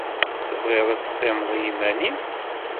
Tebɣiḍ ad teqqimeḍ i yiman-nnem?